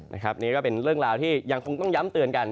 นะครับนี่ก็เป็นเล่นราวที่ยังคงต้องย้ำเตือนกัน